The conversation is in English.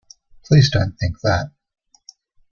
Please don't think that.